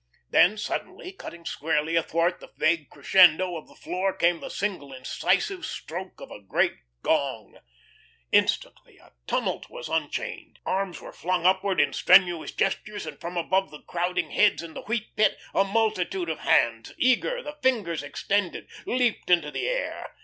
Then suddenly, cutting squarely athwart the vague crescendo of the floor came the single incisive stroke of a great gong. Instantly a tumult was unchained. Arms were flung upward in strenuous gestures, and from above the crowding heads in the Wheat Pit a multitude of hands, eager, the fingers extended, leaped into the air.